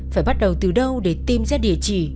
phải bắt đầu từ đâu để tìm ra địa chỉ